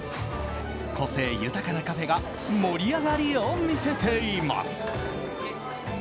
個性豊かなカフェが盛り上がりを見せています。